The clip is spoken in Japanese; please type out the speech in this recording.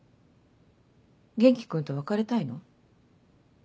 元気君と別れたいの？